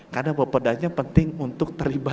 karena bapedanya penting untuk terlibat